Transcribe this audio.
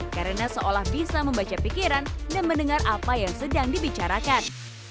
karena seolah bisa membaca pikiran dan mendengar apa yang sedang dibicarakan